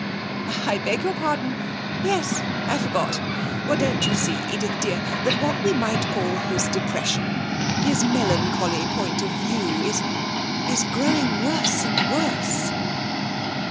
'I beg your pardon; yes, I forgot. Well, don't you see, Edith dear, that what we might call his depression, his melancholy point of view, is is growing worse and worse?'